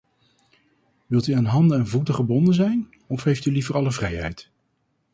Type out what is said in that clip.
Wilt u aan handen en voeten gebonden zijn, of heeft u liever alle vrijheid?